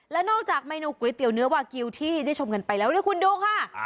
และนอกจากเมนูก๋วยเตี๋ยเนื้อวากิวที่ได้ชมกันไปแล้วด้วยคุณดูค่ะ